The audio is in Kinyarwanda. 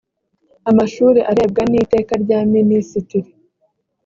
amashuri arebwa ni tekaryaminisitiri